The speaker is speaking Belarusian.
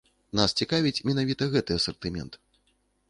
Нас цікавіць менавіта гэты асартымент.